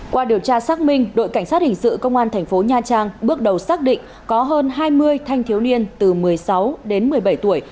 qua điều tra xác minh đội cảnh sát hình sự công an thành phố nha trang bước đầu xác định có hơn hai mươi thanh thiếu niên từ một mươi sáu đến một mươi bảy tuổi